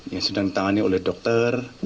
yang sedang ditangani oleh dokter